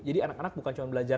jadi anak anak bukan cuma belajar